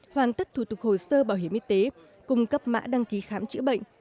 hoàn tất thủ tục hồ sơ bảo hiểm y tế cung cấp mã đăng ký khám chữa bệnh